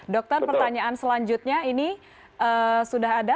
dokter pertanyaan selanjutnya ini sudah ada